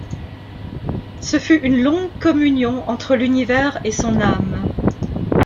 Ce fut une longue communion entre l'univers et son âme.